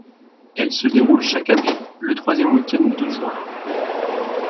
Elles se déroulent chaque année, le troisième week-end de juin.